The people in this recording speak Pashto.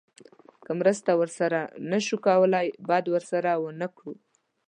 که مرسته ورسره نه شو کولی بد ورسره ونه کړو.